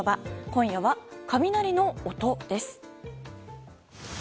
今夜は、雷の音です。